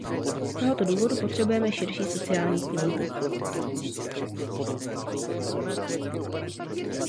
Z tohoto důvodu potřebujeme širší sociální smlouvu.